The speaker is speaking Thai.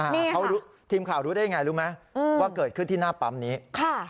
เขารู้ทีมข่าวรู้ได้ยังไงรู้ไหมอืมว่าเกิดขึ้นที่หน้าปั๊มนี้ค่ะ